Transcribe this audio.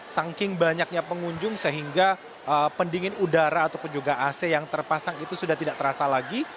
saking banyaknya pengunjung sehingga pendingin udara ataupun juga ac yang terpasang itu sudah tidak terasa lagi